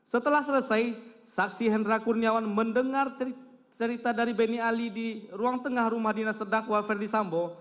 setelah selesai saksi hendra kurniawan mendengar cerita dari benny ali di ruang tengah rumah dinas terdakwa ferdi sambo